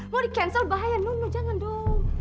mau di cancel bahaya no no jangan dong